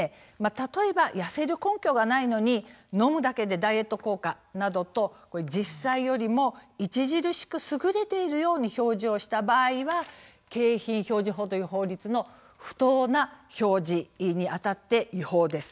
例えば痩せる根拠がないのに「飲むだけでダイエット効果！」などと実際よりも著しく優れているように表示をした場合は景品表示法という法律の「不当な表示」にあたって違法です。